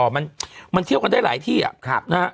มันเที่ยวกันได้หลายที่นะฮะ